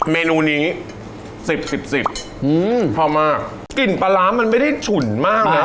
เมนูนี้สิบสิบสิบอืมพอมากกลิ่นปลาร้ามันไม่ได้ฉุนมากนะ